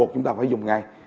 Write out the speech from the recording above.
chúng ta phải dùng ngay